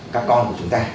các con của chúng ta